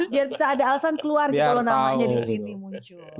biar bisa ada alasan keluar gitu loh namanya di sini muncul